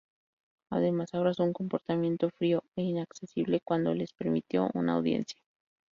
Además, abrazó un comportamiento frío e inaccesible cuando les permitió una audiencia.